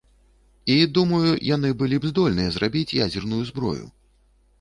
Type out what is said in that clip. І, думаю, яны былі б здольныя зрабіць ядзерную зброю.